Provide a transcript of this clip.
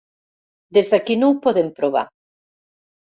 Des d'aquí no ho podem provar.